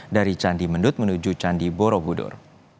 dari candi mendut menuju candi borobudur